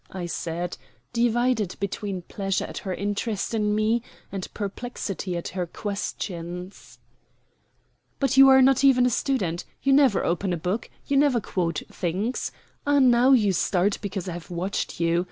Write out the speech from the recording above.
I said, divided between pleasure at her interest in me and perplexity at her questions. "But you are not even a student. You never open a book; you never quote things ah, now you start because I have watched you.